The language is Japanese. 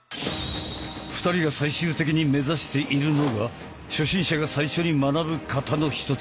２人が最終的に目指しているのが初心者が最初に学ぶ形のひとつ